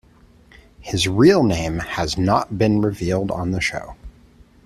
His real name has not been revealed on the show.